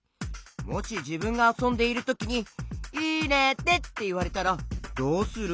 もしじぶんがあそんでいるときに「いれて」っていわれたらどうする？